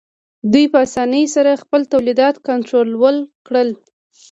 دوی په اسانۍ سره خپل تولیدات کنټرول کړل